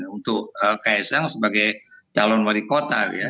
untuk kaisang sebagai calon wali kota ya